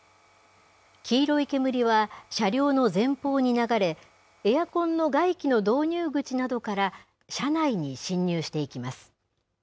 黄色い煙は、車両の前方に流れ、エアコンの外気の導入口などから車内に侵入していきます。